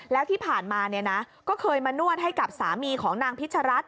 แล้วที่ผ่านมาก็เคยมานวดให้กับสามีของนางพิชรัฐ